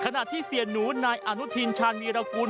ขณะที่เสียหนูนายอาณุธิงค์ชาลมีรกูน